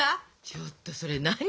ちょっとそれ何？